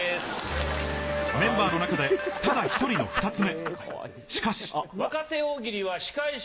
メンバーの中でただ一人の２つ目。。